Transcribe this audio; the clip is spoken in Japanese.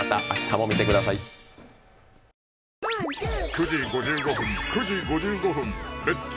９時５５分９時５５分「レッツ！